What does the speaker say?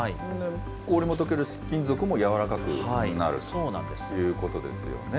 氷もとけるし、金属も柔らかくなるということですよね。